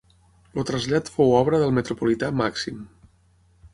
El trasllat fou obra del metropolità Màxim.